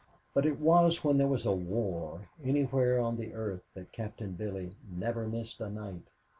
But it was when there was a war anywhere on the earth that Captain Billy never missed a night.